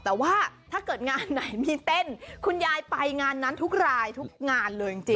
แต่ว่าถ้าเกิดงานไหนมีเต้นคุณยายไปงานนั้นทุกรายทุกงานเลยจริง